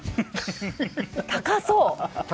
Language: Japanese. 高そう！